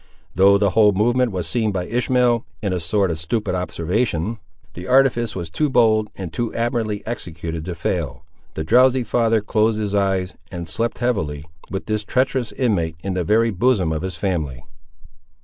Though the whole movement was seen by Ishmael, in a sort of stupid observation, the artifice was too bold and too admirably executed to fail. The drowsy father closed his eyes, and slept heavily, with this treacherous inmate in the very bosom of his family.